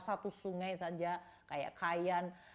satu sungai saja kayak kayan